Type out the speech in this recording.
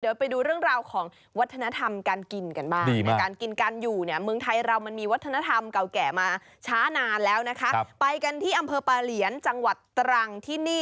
เดี๋ยวไปดูเรื่องเกี่ยวของธน